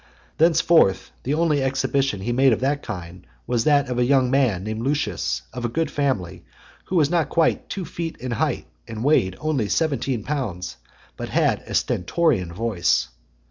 Thenceforth, the only exhibition he made of that kind, was that of a young man named Lucius, of a good family, who was not quite two feet in height, and weighed only seventeen pounds, but had a stentorian voice.